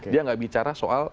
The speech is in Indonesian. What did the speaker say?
dia nggak bicara soal